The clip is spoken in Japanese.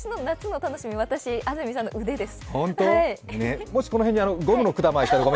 今年の夏の楽しみ、安住さんの腕です。